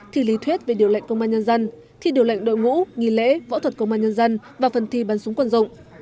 thi lý thuyết về điều lệnh công an nhân dân thi điều lệnh đội ngũ nghỉ lễ võ thuật công an nhân dân và phần thi bắn súng quân dụng